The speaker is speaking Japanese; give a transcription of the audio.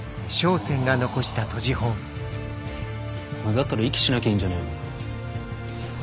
だったら息しなきゃいいんじゃねえの？なぁ？